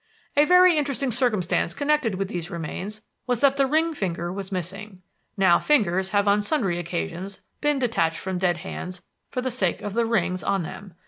"A very interesting circumstance connected with these remains was that the ring finger was missing. Now, fingers have on sundry occasions been detached from dead hands for the sake of the rings on them.